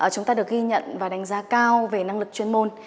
chúng ta được ghi nhận và đánh giá cao về năng lực chuyên môn